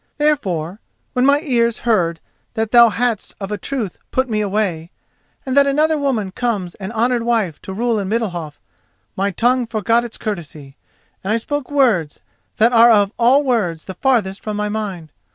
Therefore when my ears heard that thou hadst of a truth put me away, and that another woman comes an honoured wife to rule in Middalhof, my tongue forgot its courtesy, and I spoke words that are of all words the farthest from my mind.